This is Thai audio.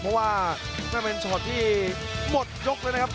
เพราะว่านั่นเป็นช็อตที่หมดยกเลยนะครับ